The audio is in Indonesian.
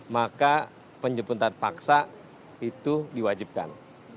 maka penjemputan paksa itu diwajibkan